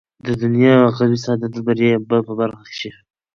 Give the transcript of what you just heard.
د دنيا او عقبى سعادت او بريا ئې په برخه شي